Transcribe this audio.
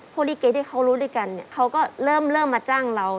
ลิเกที่เขารู้ด้วยกันเนี่ยเขาก็เริ่มมาจ้างเรา